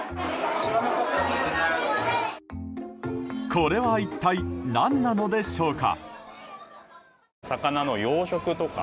これは一体何なのでしょうか。